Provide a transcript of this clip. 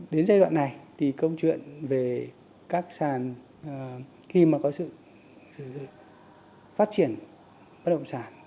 đến giai đoạn này công chuyện về các sản khi mà có sự phát triển bất động sản